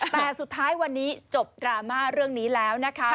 แต่สุดท้ายวันนี้จบดราม่าเรื่องนี้แล้วนะคะ